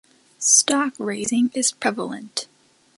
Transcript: Stock raising is prevalent.